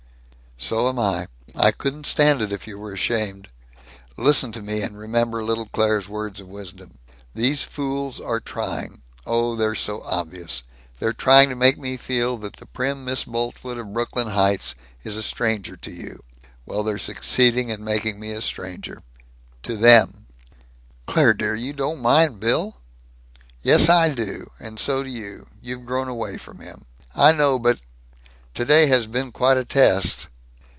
"So am I. I couldn't stand it if you were ashamed. Listen to me, and remember little Claire's words of wisdom. These fools are trying oh, they're so obvious! they're trying to make me feel that the prim Miss Boltwood of Brooklyn Heights is a stranger to you. Well, they're succeeding in making me a stranger to them!" "Claire! Dear! You don't mind Bill?" "Yes. I do. And so do you. You've grown away from him." "I don't know but Today has been quite a test."